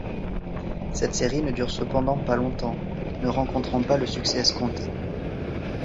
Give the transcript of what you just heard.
Cette série ne dure cependant pas longtemps, ne rencontrant pas le succès escompté.